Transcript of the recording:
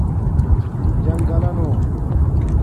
جنݣگلانُݸ